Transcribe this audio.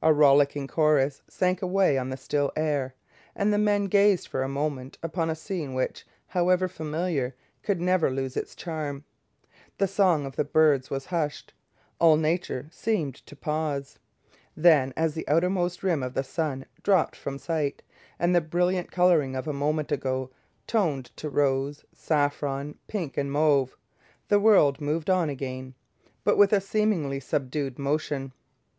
A rollicking chorus sank away on the still air, and the men gazed for a moment upon a scene which, however familiar, could never lose its charm. The song of the birds was hushed. All nature seemed to pause. Then as the outermost rim of the sun dropped from sight, and the brilliant colouring of a moment ago toned to rose and saffron, pink and mauve, the world moved on again, but with a seemingly subdued motion.